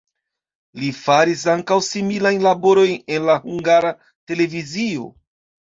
Li faris ankaŭ similajn laborojn en la Hungara Televizio.